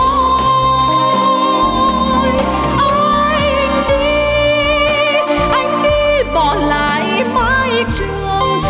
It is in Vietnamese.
anh đi anh đi bỏ lại mái trường